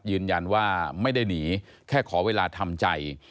ยืนยันว่าไม่ได้หนีแค่ขอเวลาทำใจ